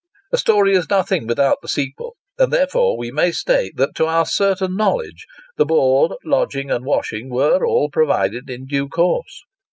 A story is nothing without the sequel ; and therefore, we may state, that to our certain knowledge, the board, lodging, and washing, were all provided in due course.